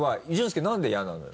何で嫌なのよ？